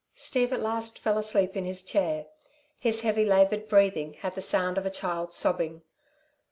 Steve at last fell asleep in his chair. His heavy laboured breathing had the sound of a child sobbing.